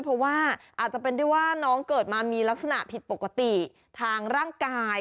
เพราะว่าอาจจะเป็นได้ว่าน้องเกิดมามีลักษณะผิดปกติทางร่างกาย